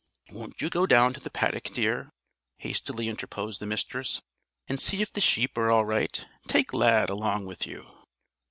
"Won't you go down to the paddock, dear," hastily interposed the Mistress, "and see if the sheep are all right? Take Lad along with you."